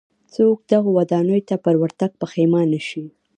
څوک دغو ودانیو ته پر ورتګ پښېمانه شي.